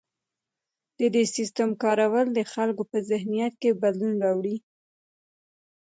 د دې سیستم کارول د خلکو په ذهنیت کې بدلون راوړي.